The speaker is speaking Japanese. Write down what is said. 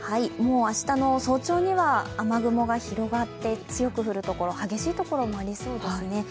明日の早朝には雨雲が広がって、強く降る所、激しいところもありそうですね。